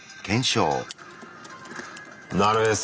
なるへそ。